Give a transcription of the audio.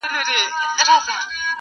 • چي د چا په غاړه طوق د غلامۍ سي -